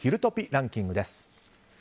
ランキングです。